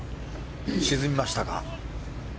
沈みましたか。